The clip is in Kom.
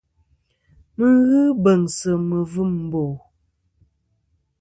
Mi ghɨ beŋsɨ mivim mbo.